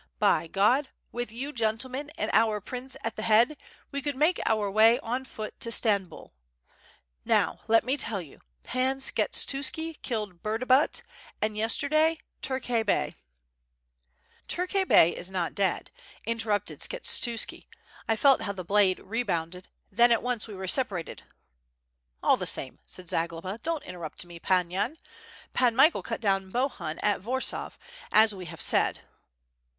By God! with you gentle men, and our pnnce at the head, we could make our way on foot to Stambul. Now let me tell you: Pan Skshetuski killed Burdabut, and yesterday Tukhay Bey." WITH FIRE AND SWORD. 721 "Tukhay Bey is not dead," interrupted Skshetuski, "I felt how the blade rebounded, then at once we were separated." "All the same/' said Zagloba, "don't interrupt me. Pan Yan. Pan Michael cut down Bohun at Warsaw, as we have said."